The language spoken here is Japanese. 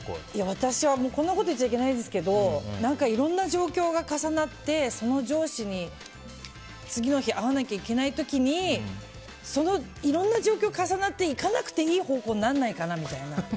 私は、こんなこと言っちゃいけないですけどいろんな状況が重なってその上司に次の日会わなきゃいけない時にそのいろんな状況が重なっていかなくていい方向にならないかなって。